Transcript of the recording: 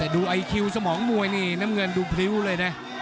ดูไอคิวสมองมวยนี่น้ำเงินดูพริ้วเลยนะ